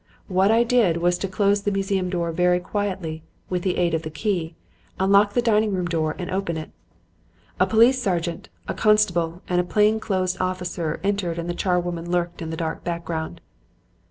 What I did was to close the museum door very quietly, with the aid of the key, unlock the dining room door and open it. "A police sergeant, a constable and a plain clothes officer entered and the charwoman lurked in the dark background.